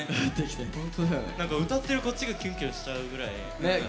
なんか歌ってるこっちがキュンキュンしちゃうぐらい。